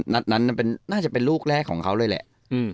นัดนั้นน่าจะเป็นลูกแรกของเขาเลยแหละ